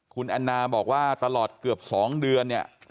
คุณแอนนาบอกว่าตลอดเกือบ๒เดือนเนี่ย